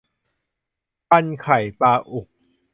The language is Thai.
ครรภ์ไข่ปลาอุก